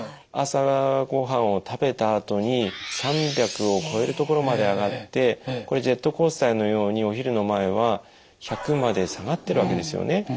朝ご飯を食べたあとに３００を超える所まで上がってこれジェットコースターのようにお昼の前は１００まで下がってるわけですよね。